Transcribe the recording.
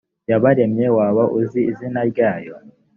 yabaremye waba uzi izina ryayo